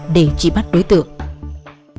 để trị bắt đối tượng